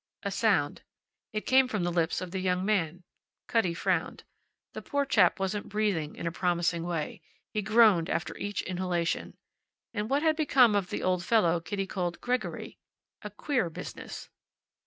A sound. It came from the lips of the young man. Cutty frowned. The poor chap wasn't breathing in a promising way; he groaned after each inhalation. And what had become of the old fellow Kitty called Gregory? A queer business.